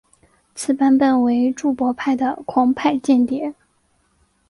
此版本为注博派的狂派间谍。